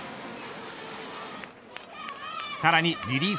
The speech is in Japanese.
さらにリリーフ